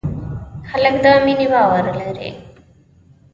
هلک د مینې باور لري.